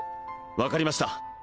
分かりました